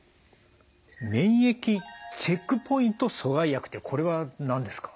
免疫チェックポイント阻害薬ってこれは何ですか？